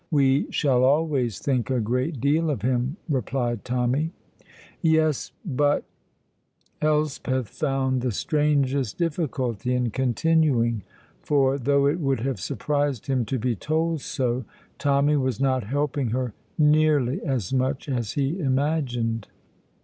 "We shall always think a great deal of him," replied Tommy. "Yes, but " Elspeth found the strangest difficulty in continuing, for, though it would have surprised him to be told so, Tommy was not helping her nearly as much as he imagined.